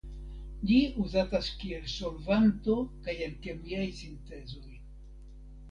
Ĝi uzatas kiel solvanto kaj en kemiaj sintezoj.